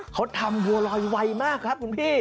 เขาทำบัวลอยไวมากครับคุณพี่